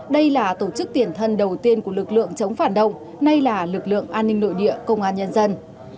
đây là tổ chức tiền thân đầu tiên của lực lượng chống phản động nay là lực lượng an ninh nội địa công an nhân dân